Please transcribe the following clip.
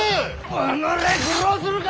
おのれ愚弄するか！